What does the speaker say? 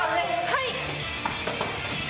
はい！